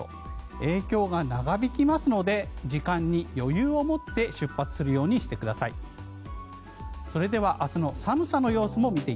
影響が長引きますので時間に余裕を持って出発するようにしてください。